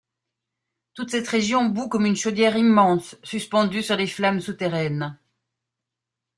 Toute cette région bout comme une chaudière immense, suspendue sur les flammes souterraines.